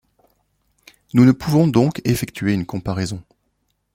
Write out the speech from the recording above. Nous ne pouvons donc effectuer une comparaison.